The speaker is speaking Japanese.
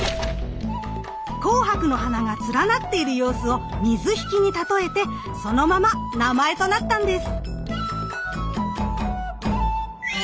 紅白の花が連なっている様子を水引に例えてそのまま名前となったんです。